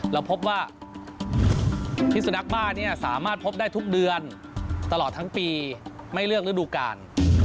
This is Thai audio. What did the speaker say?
เราพบว่าพิสุนักบ้าเนี่ยสามารถพบได้ทุกเดือนตลอดทั้งปีไม่เลือกฤดูกาล